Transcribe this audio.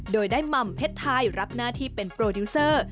โดยได้หม่ำเพชรไทยรับหน้าที่เป็นโปรดิวเซอร์